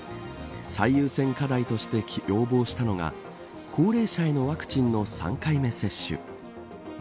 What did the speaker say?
最優先課題として要望したのが高齢者へのワクチンの３回目接種。